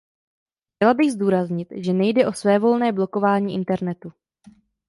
Chtěla bych zdůraznit, že nejde o svévolné blokování internetu.